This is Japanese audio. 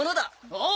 おう！